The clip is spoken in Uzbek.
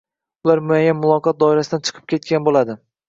Ular muayyan muloqot doirasidan chiqib ketgan boʻladi